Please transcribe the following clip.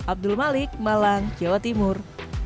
abdul malik malang jawa timur